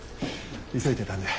急いでたんで。